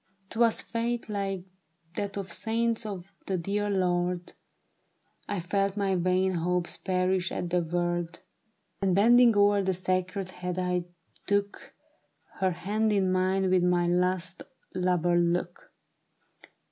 " 'Twas faith like that of saints for the dear Lord ; I felt my vain hopes perish at the word ; And bending o'er that sacred head, I took Her hand in mine with my last lover look.